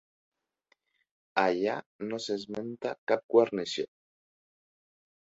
Allà no s'esmenta cap guarnició.